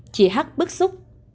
chị hát bức xúc